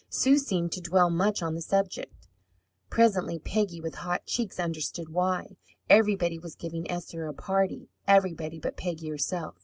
Sue seemed to dwell much on the subject. Presently Peggy, with hot cheeks, understood why. Everybody was giving Esther a party, everybody but Peggy herself.